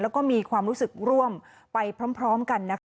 แล้วก็มีความรู้สึกร่วมไปพร้อมกันนะคะ